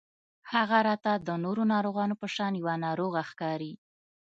هغه راته د نورو ناروغانو په شان يوه ناروغه ښکاري